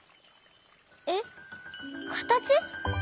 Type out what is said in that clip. えっかたち？